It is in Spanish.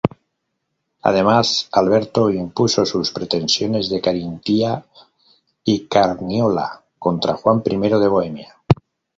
Además Alberto impuso sus pretensiones de Carintia y Carniola contra Juan I de Bohemia.